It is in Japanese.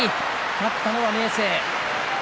勝ったのは明生。